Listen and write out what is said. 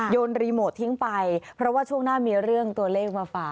รีโมททิ้งไปเพราะว่าช่วงหน้ามีเรื่องตัวเลขมาฝาก